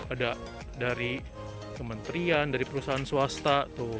ada dari kementerian dari perusahaan swasta tuh